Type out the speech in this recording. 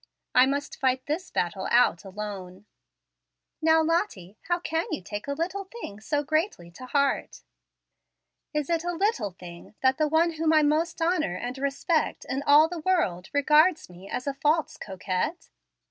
I must fight this battle out alone." "Now, Lottie, how can you take a little thing so greatly to heart?" "Is it a little thing that the one whom I most honor and respect in all the world regards me as a false coquette?"